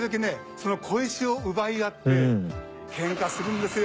その小石を奪い合ってケンカするんですよ。